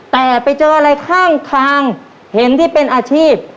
แต่ไปเจออะไรข้างทางเห็นที่เป็นอาชีพ